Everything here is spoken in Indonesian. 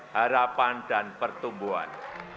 harapan dan pertumbuhan